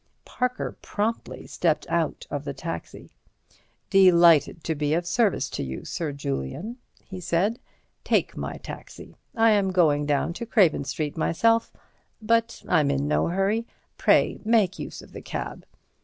Parker promptly stepped out of the taxi. "Delighted to be of service to you, Sir Julian," he said; "take my taxi. I am going down to Craven Street myself, but I'm in no hurry. Pray make use of the cab."